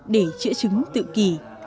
để chữa chứng tự kỷ